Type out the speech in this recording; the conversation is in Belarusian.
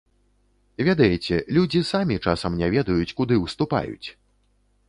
Ведаеце, людзі самі часам не ведаюць, куды ўступаюць!